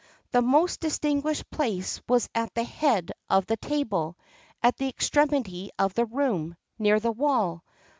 [XXXII 39] The most distinguished place was at the head of the table, at the extremity of the room, near the wall.